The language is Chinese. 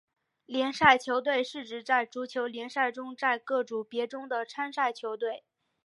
联赛球队是指在足球联赛中在各组别中的参赛球队。